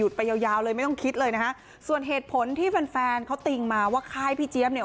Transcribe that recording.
ไปยาวยาวเลยไม่ต้องคิดเลยนะฮะส่วนเหตุผลที่แฟนแฟนเขาติงมาว่าค่ายพี่เจี๊ยบเนี่ย